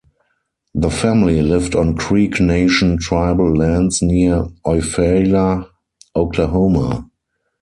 The family lived on Creek Nation tribal lands near Eufaula, Oklahoma.